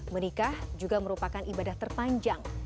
menikah juga merupakan ibadah terpanjang